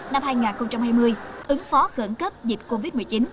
năm hai nghìn hai mươi ứng phó khẩn cấp dịch covid một mươi chín